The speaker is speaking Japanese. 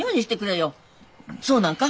そうなんか？